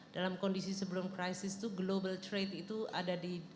dalam kondisi sebelum krisis itu global trade itu ada di